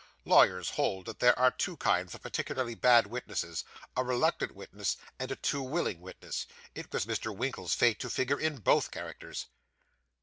Lawyers hold that there are two kinds of particularly bad witnesses a reluctant witness, and a too willing witness; it was Mr. Winkle's fate to figure in both characters.